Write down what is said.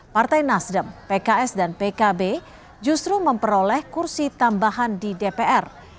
partai nasdem pks dan pkb justru memperoleh kursi tambahan di dpr